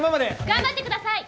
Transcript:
頑張って下さい！